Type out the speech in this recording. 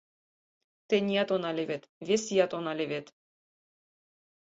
Теният она левед, вес ият она левед